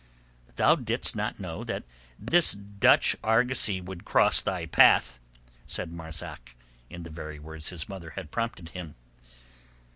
"Thou didst not know that this Dutch argosy would cross thy path," said Marzak, in the very words his mother had prompted him.